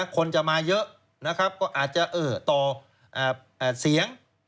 คนจะมาเยอะนะครับก็อาจจะต่อเสียง